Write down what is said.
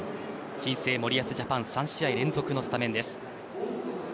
新生森保ジャパン３試合連続のスタメンです。